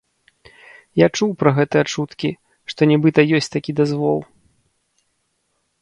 Я чуў пра гэтыя чуткі, што нібыта ёсць такі дазвол.